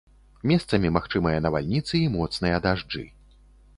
Месцамі магчымыя навальніцы і моцныя дажджы.